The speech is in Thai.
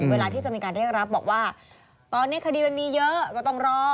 เวลาที่จะมีการเรียกรับบอกว่าตอนนี้คดีมันมีเยอะก็ต้องรอ